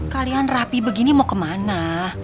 kalian rapi begini mau kemana